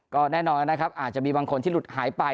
ก็แน่นอนนะครับอาจจะมีบางคนที่หลุดหายไป